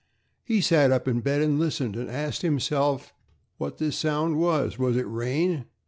He sat up in bed and listened, and asked himself what that sound was. Was it rain?